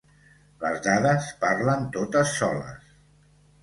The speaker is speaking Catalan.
Les dades parlen totes soles.